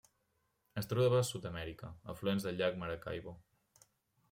Es troba a Sud-amèrica: afluents del llac Maracaibo.